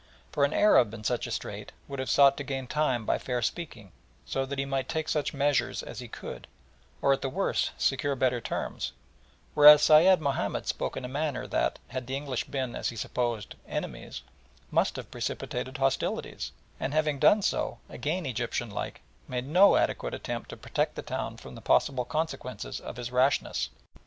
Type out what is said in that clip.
For an Arab in such a strait would have sought to gain time by fair speaking, so that he might take such measures as he could, or at the worst secure better terms, whereas Sayed Mahomed spoke in a manner that, had the English been, as he supposed, enemies, must have precipitated hostilities, and having done so, again Egyptian like, made no adequate attempt to protect the town from the possible consequences of his rashness.